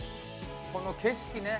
この景色ね。